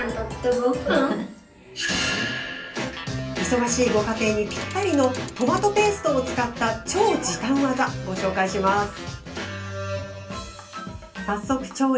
忙しいご家庭にぴったりのトマトペーストを使った超時短技、ご紹介しましょう。